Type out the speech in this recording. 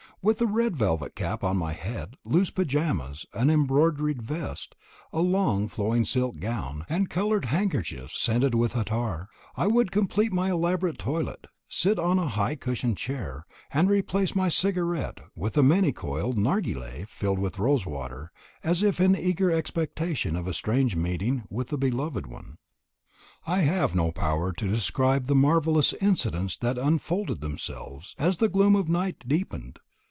With a red velvet cap on my head, loose paijamas, an embroidered vest, a long flowing silk gown, and coloured handkerchiefs scented with attar, I would complete my elaborate toilet, sit on a high cushioned chair, and replace my cigarette with a many coiled narghileh filled with rose water, as if in eager expectation of a strange meeting with the beloved one. I have no power to describe the marvellous incidents that unfolded themselves, as the gloom of the night deepened.